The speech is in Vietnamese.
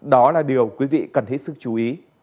đó là điều quý vị cần hết sức chú ý